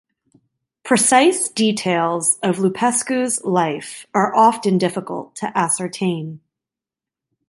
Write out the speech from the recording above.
Precise details of Lupescu's life are often difficult to ascertain.